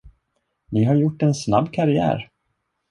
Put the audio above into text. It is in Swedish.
Ni har gjort en snabb karriär.